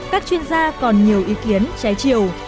các chuyên gia còn nhiều ý kiến trái chiều